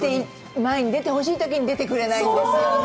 前に出てほしいときに出てくれないとかね。